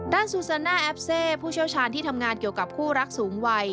ซูซาน่าแอฟเซผู้เชี่ยวชาญที่ทำงานเกี่ยวกับคู่รักสูงวัย